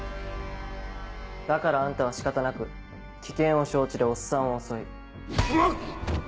だからあんたは仕方なく危険を承知でおっさんを襲い。